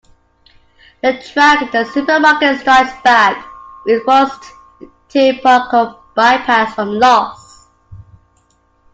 The track "The Supermarket Strikes Back" is a riposte to "Barcode Bypass" from "Loss".